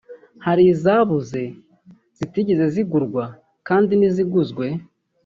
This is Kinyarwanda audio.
hari izabuze zitigeze zigurwa kandi n’iziguzwe